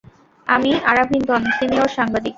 আমি আরাভিন্ধন, সিনিয়র সাংবাদিক।